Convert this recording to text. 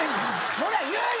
そりゃ言うよ